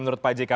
menurut pak jika